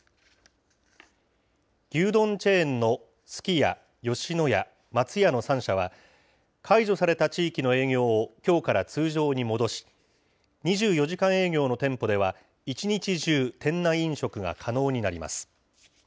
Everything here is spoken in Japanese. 牛丼チェーンのすき家、吉野家、松屋の３社は、解除された地域の営業をきょうから通常に戻し、２４時間営業の店舗では、一日中、店内飲食が可能になります。